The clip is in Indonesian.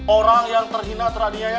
orang yang terhina teraniaya